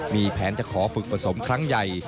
มีแผนจะขอฝึกผสมครั้งใหญ่